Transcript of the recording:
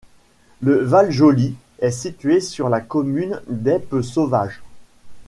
Le Val-Joly est situé sur la commune d'Eppe-Sauvage.